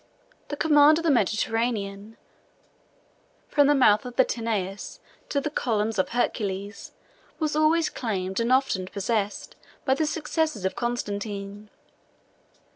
70 The command of the Mediterranean, from the mouth of the Tanais to the columns of Hercules, was always claimed, and often possessed, by the successors of Constantine.